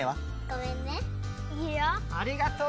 ありがとう！